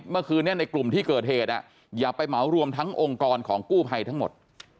เมื่อคืนนี้ในกลุ่มที่เกิดเหตุอย่าไปเหมารวมทั้งองค์กรของกู้ภัยทั้งหมด